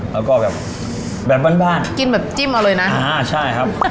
แล้วก็แบบบ้านบ้านกินแบบจิ้มเอาเลยนะอ่าใช่ครับ